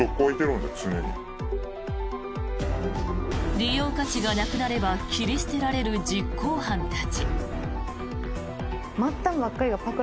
利用価値がなくなれば切り捨てられる実行犯たち。